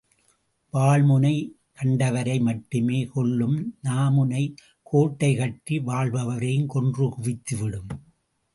வாள்முனை கண்டவரை மட்டுமே கொல்லும் நா முனை கோட்டை கட்டி வாழ்பவரையும் கொன்று குவித்துவிடும்.